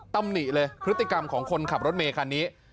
ตำหนิเลยพฤติกรรมของคนขับรถเมย์คันนี้